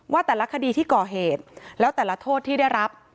ว่าแต่ละคดีที่ก่อเหตุแล้วแต่ละโทษที่ได้รับ